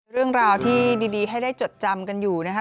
เรื่องราวที่ดีให้ได้จดจำกันอยู่นะคะ